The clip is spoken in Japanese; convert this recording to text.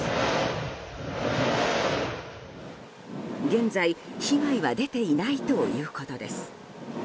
現在、被害は出ていないということです。